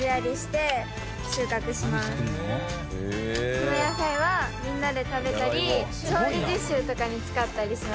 その野菜はみんなで食べたり調理実習とかに使ったりします。